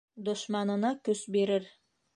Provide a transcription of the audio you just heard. Дошманына көс бирер.